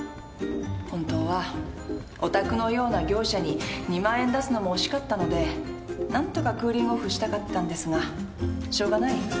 本当はお宅のような業者に２万円出すのも惜しかったので何とかクーリングオフしたかったんですがしょうがない。